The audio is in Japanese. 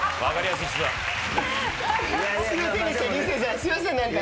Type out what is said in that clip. すいません何か。